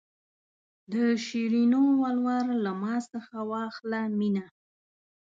د شیرینو ولور له ما څخه واخله مینه.